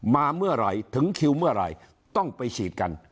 มาเมื่อไหร่ถึงคิวเมื่อไหร่ต้องไปฉีดกัน